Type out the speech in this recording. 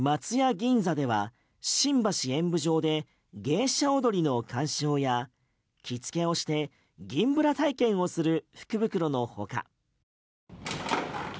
銀座では新橋演舞場で芸者踊りの鑑賞や着付けをして銀ブラ体験をする福袋のほか。